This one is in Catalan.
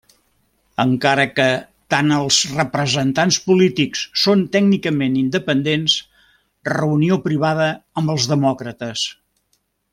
Encara que tant els representants polítics són tècnicament independents, reunió privada amb els demòcrates.